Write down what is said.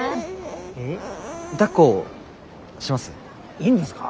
いいんですか？